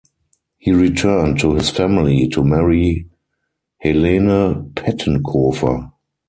He returned to his family to marry Helene Pettenkofer.